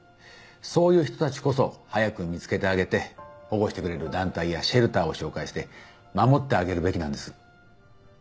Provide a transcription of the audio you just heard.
そういう人たちこそ早く見つけてあげて保護してくれる団体やシェルターを紹介して守ってあげるべきなんです。